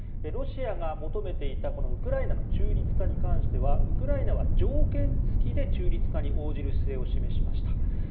ロシアが求めていたウクライナの中立化に関してはウクライナは条件付きで中立化に応じる姿勢を示しました。